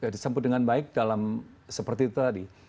disambut dengan baik dalam seperti itu tadi